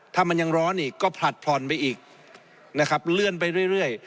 ถ้ามันยังร้อนอีกก็ผลัดผ่อนไปอีกนะครับเลื่อนไปเรื่อย